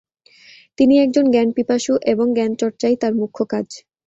তিনি একজন জ্ঞানপিপাসু এবং জ্ঞান চর্চাই তার মুখ্য কাজ।